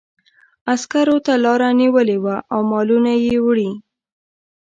عسکرو ته لاره نیولې وه او مالونه یې وړي.